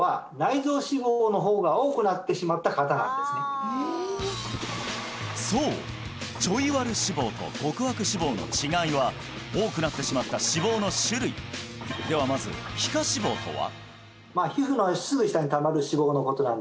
違う違う違うそうちょいワル脂肪と極悪脂肪の違いは多くなってしまった脂肪の種類ではまず皮下脂肪とは？